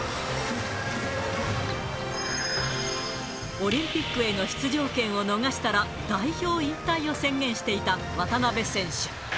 オリンピックへの出場権を逃したら、代表引退を宣言していた渡邊選手。